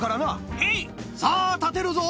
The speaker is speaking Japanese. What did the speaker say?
へい！さあ、立てるぞ。